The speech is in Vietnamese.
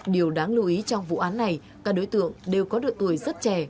điều đáng lưu ý trong vụ án này các đối tượng đều có đội tuổi rất trẻ